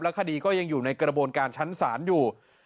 คดีก็ยังอยู่ในกระบวนการชั้นศาลอยู่